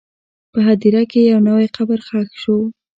په هدیره کې یو نوی قبر ښخ شو.